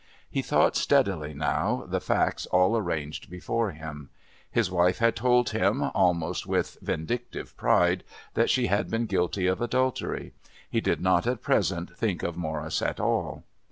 He thought steadily now, the facts all arranged before him. His wife had told him, almost with vindictive pride, that she had been guilty of adultery. He did not at present think of Morris at all.